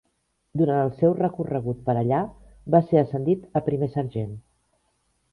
Durant el seu recorregut per allà va ser ascendit a primer sergent.